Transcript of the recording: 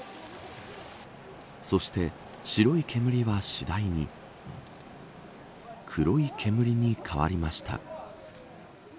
そして、白い煙は次第に黒い煙に変わりました。